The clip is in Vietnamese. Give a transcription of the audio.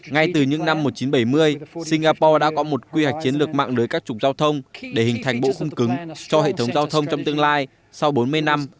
ngay từ những năm một nghìn chín trăm bảy mươi singapore đã có một quy hoạch chiến lược mạng lưới các trục giao thông để hình thành bộ khung cứng cho hệ thống giao thông trong tương lai sau bốn mươi năm